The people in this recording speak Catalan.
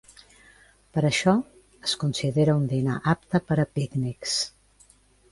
Per això, es considera un dinar apte per a pícnics.